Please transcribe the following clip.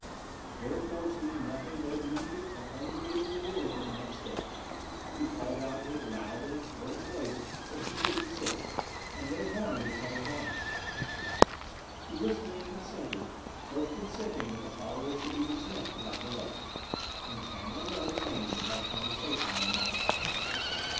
Therefore, seeing nothing but immediate and unevadable ruin at the next step, he called out in a loud and imploring voice that he should desist, and no harm would come upon him. To this Ling consented, first insisting that the followers should be dismissed without delay, and Chang alone remain to have conversation on the matter.